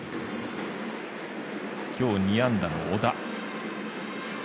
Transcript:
今日、２安打の小田。